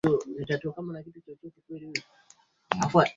hawana Askofu wakisisitiza zaidi uwezo na haki ya kila Mkristo kushiriki